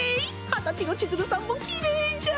二十歳の千鶴さんもきれいじゃ。